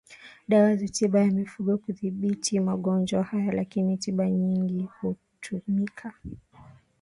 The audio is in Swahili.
dawa za tiba ya mifugo kudhibiti magonjwa haya lakini tiba nyingi hutumika